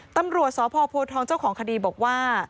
ตำรวจสพโพทองเจ้าของคดีบอกว่า